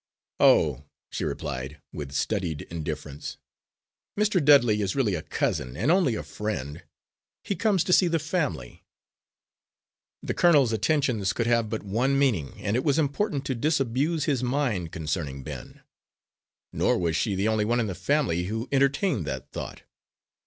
"Oh," she replied, with studied indifference, "Mr. Dudley is really a cousin, and only a friend. He comes to see the family." The colonel's attentions could have but one meaning, and it was important to disabuse his mind concerning Ben. Nor was she the only one in the family who entertained that thought.